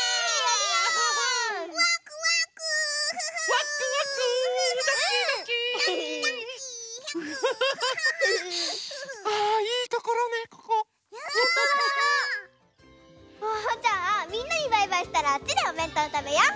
じゃあみんなにバイバイしたらあっちでおべんとうたべよう。